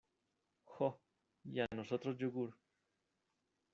jo. y a nosotros yogur .